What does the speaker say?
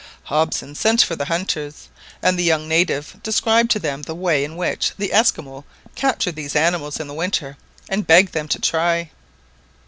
Hobson sent for the hunters, and the young native described to them the way in which the Esquimaux capture these animals in the winter, and begged them to try.